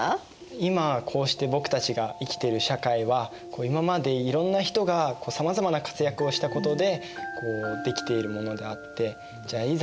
今こうして僕たちが生きてる社会は今までいろんな人がさまざまな活躍をしたことでできているものであってじゃあいざ